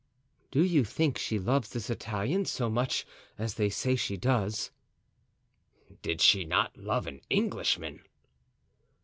"Do you think she loves this Italian so much as they say she does?" "Did she not love an Englishman?"